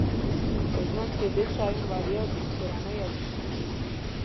په ژوند کې ډېر شیان وړیا دي کورنۍ او دوستان.